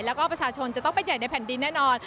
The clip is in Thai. แล้วก็ประชาชนจะต้องเป็นใหญ่ในแผ่นดินแน่นอน